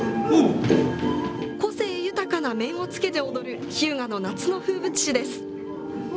個性豊かな面をつけて踊る日向の夏の風物詩です。